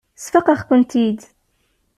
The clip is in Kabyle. Sfaqeɣ-kent-id.